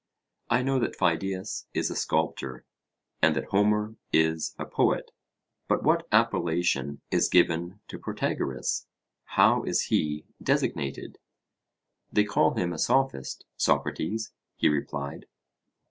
I know that Pheidias is a sculptor, and that Homer is a poet; but what appellation is given to Protagoras? how is he designated? They call him a Sophist, Socrates, he replied.